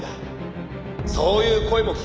そういう声も聞きます」